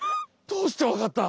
どうしてわかった！？